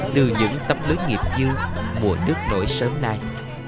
từ những tập lưỡi nghiệp dư mùa nước nổi sớm nay